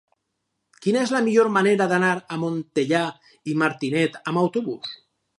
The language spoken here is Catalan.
Quina és la millor manera d'anar a Montellà i Martinet amb autobús?